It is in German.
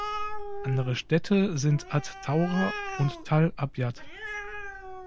Andere Städte sind ath-Thaura und Tall Abyad.